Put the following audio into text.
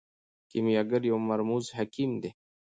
کیمیاګر یو مرموز حکیم دی.